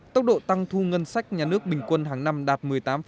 tốc độ tăng thu ngân sách nhà nước bình quân hàng năm đạt một mươi tám